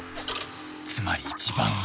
つまり一番上。